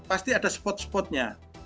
pasti ada spot spotnya